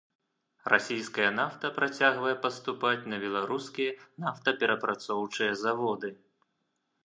Расійская нафта працягвае паступаць на беларускія нафтаперапрацоўчыя заводы.